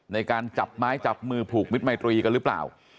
ในการจับไม้จับมือผูกมิตรมัยตรีกันหรือเปล่า